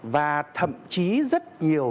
và thậm chí rất nhiều